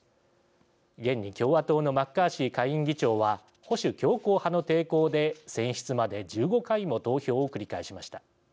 現に共和党のマッカーシー下院議長は保守強硬派の抵抗で選出まで１５回も投票を繰り返しました。